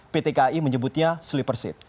pt kai menyebutnya slippersheet